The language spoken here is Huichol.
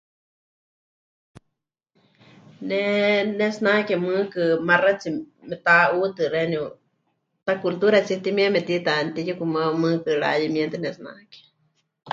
Ne pɨnetsinake mɨɨkɨ maxátsi meta'uutɨ xeeníu, taculturatsíe timieme tiita mɨtiyukumaiwa mɨɨkɨ rayemietɨ pɨnetsinake.